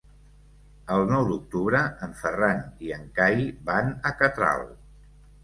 El nou d'octubre en Ferran i en Cai van a Catral.